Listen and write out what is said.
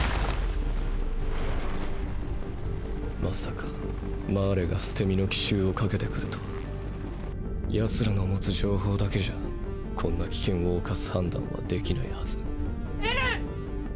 まさかマーレが捨て身の奇襲をかけてくるとは奴らの持つ情報だけじゃこんな危険を冒す判断はできないはずエレン！！